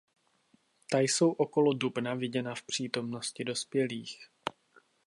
Ta jsou okolo dubna viděna v přítomnosti dospělých.